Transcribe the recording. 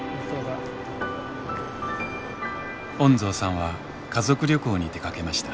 恩蔵さんは家族旅行に出かけました。